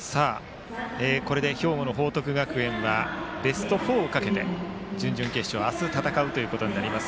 これで兵庫の報徳学園はベスト４をかけて準々決勝明日戦うことになります。